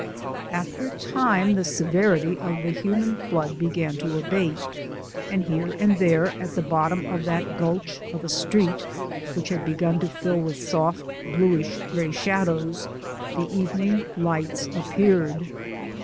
After a time the severity of the human flood began to abate, and here and there at the bottom of that gulch of a street, which had begun to fill with soft, bluish gray shadows, the evening lights a appeared.